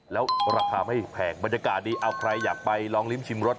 แล้วราคาไม่แพงบรรยากาศดีเอาใครอยากไปลองลิ้มชิมรส